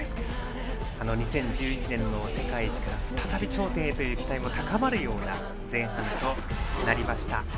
２０１１年の世界一から再び頂点へという期待も高まるような前半となりました。